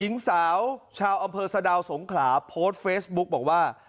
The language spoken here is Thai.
หญิงสาวชาวอำเภอสะดาวสงขลาโพสต์เฟซบุ๊กบอกว่า